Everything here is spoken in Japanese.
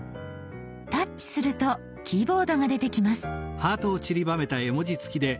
タッチするとキーボードが出てきます。